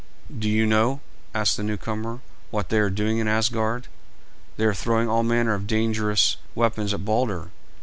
"Do you know," asked the newcomer, "what they are doing in Asgard? They are throwing all manner of dangerous weapons at Balder.